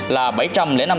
là bảy trăm năm mươi đồng